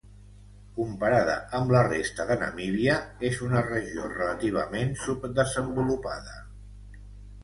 Comparada amb la resta de Namíbia, és una regió relativament subdesenvolupada.